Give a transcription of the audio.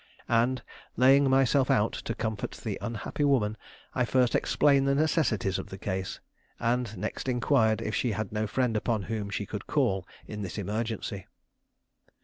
And, laying myself out to comfort the unhappy woman, I first explained the necessities of the case, and next inquired if she had no friend upon whom she could call in this emergency.